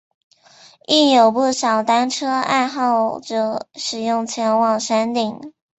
亦有不少单车爱好者使用前往山顶。